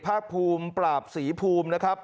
ห้าพูมปราบศรีภูมินะครับ